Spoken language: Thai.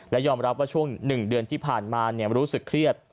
และยอมรับว่าช่วง๑เดือนที่ผ่านมารู้สึกเครียด